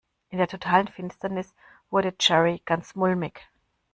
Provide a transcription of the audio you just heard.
In der totalen Finsternis wurde Jerry ganz mulmig.